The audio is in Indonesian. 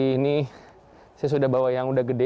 ini saya sudah bawa yang udah gede